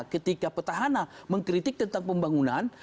ketika petahana mengkritik tentang pembangunan